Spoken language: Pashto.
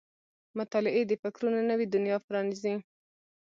• مطالعه د فکرونو نوې دنیا پرانیزي.